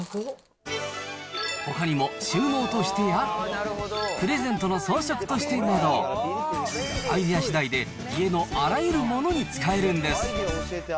ほかにも収納としてや、プレゼントの装飾としてなど、アイデアしだいで家のあらゆるものに使えるんです。